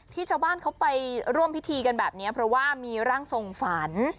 ชาวบ้านเขาไปร่วมพิธีกันแบบนี้เพราะว่ามีร่างทรงฝัน